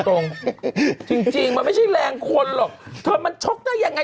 ทำไมมันช็อกได้ยังไง